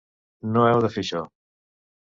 No heu de fer això.